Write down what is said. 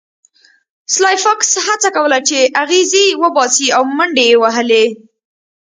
سلای فاکس هڅه کوله چې اغزي وباسي او منډې یې وهلې